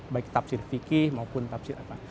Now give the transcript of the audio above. baik tafsir fikih maupun tafsir apa